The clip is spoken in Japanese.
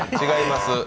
違います。